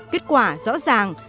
kết quả rõ ràng